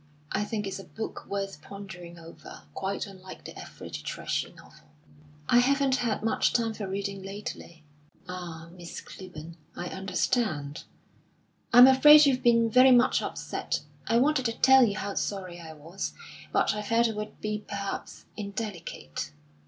I think it's a book worth pondering over; quite unlike the average trashy novel." "I haven't had much time for reading lately." "Ah, Miss Clibborn, I understand! I'm afraid you've been very much upset. I wanted to tell you how sorry I was; but I felt it would be perhaps indelicate."